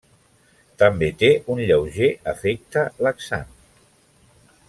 També té un lleuger efecte laxant.